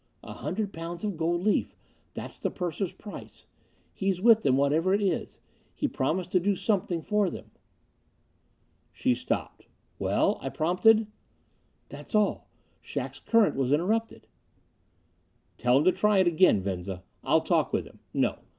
"A hundred pounds of gold leaf that's the purser's price. He's with them, whatever it is. He promised to do something for them." She stopped. "Well?" I prompted. "That's all. Shac's current was interrupted." "Tell him to try it again, Venza! I'll talk with him. No!